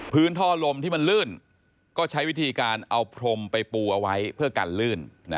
ท่อลมที่มันลื่นก็ใช้วิธีการเอาพรมไปปูเอาไว้เพื่อกันลื่น